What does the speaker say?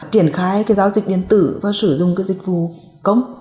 triển khai giao dịch điện tử và sử dụng cái dịch vụ công